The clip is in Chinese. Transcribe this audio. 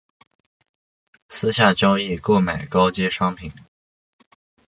私下交易购买高阶商品